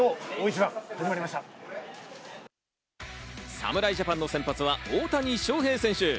侍ジャパンの先発は大谷翔平選手。